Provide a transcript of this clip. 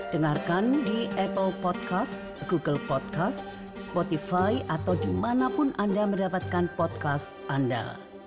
dengarkan di apple podcast google podcast spotify atau dimanapun anda mendapatkan podcast anda